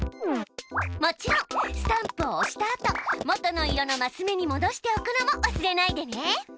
もちろんスタンプをおしたあともとの色のマス目にもどしておくのも忘れないでね。